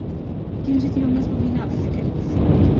Quins idiomes dominava en aquell moment?